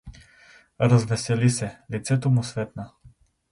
Развесели се, лицето му светна.